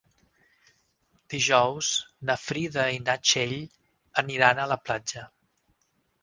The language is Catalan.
Dijous na Frida i na Txell aniran a la platja.